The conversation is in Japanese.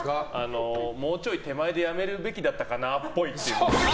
もうちょい手前でやめるべきだったかなっぽい。